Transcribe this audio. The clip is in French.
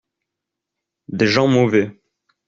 Des gens mauvais.